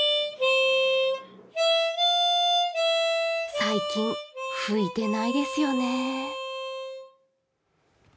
最近、吹いてないですよね。